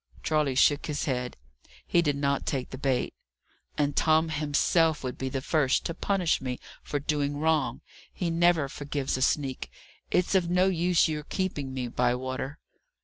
Charley shook his head. He did not take the bait. "And Tom himself would be the first to punish me for doing wrong! He never forgives a sneak. It's of no use your keeping me, Bywater."